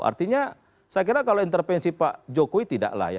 artinya saya kira kalau intervensi pak jokowi tidaklah ya